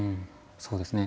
そうですね。